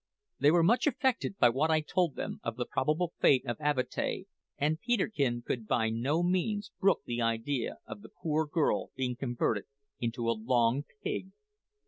They were much affected by what I told them of the probable fate of Avatea, and Peterkin could by no means brook the idea of the poor girl being converted into a long pig!